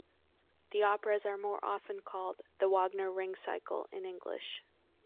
The operas are more often called "The Wagner Ring Cycle" in English.